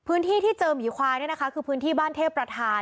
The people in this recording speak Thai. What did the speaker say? ที่เจอหมีควายเนี่ยนะคะคือพื้นที่บ้านเทพประธาน